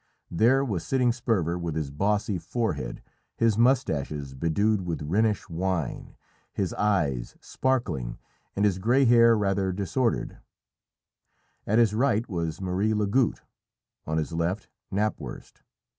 There was sitting Sperver with his bossy forehead, his moustaches bedewed with Rhenish wine, his eyes sparkling, and his grey hair rather disordered; at his right was Marie Lagoutte, on his left Knapwurst.